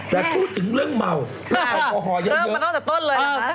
แต่พูดถึงเรื่องเมาแล้วก็โอฮอล์เยอะ